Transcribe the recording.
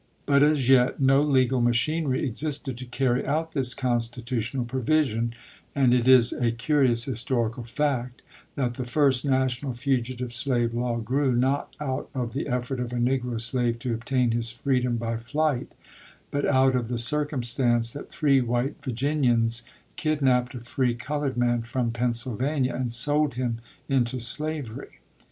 But as yet no legal machinery existed to carry out this constitutional provision, and it is a curious historical fact that the first national fugitive slave law grew, not out of the effort of a negro slave to obtain his freedom by flight, but out of the cir "Astatecan cumstance that three white Virginians kidnaped a vohPierMis free colored man from Pennsylvania and sold him cellPaJ39OUS' into slavery.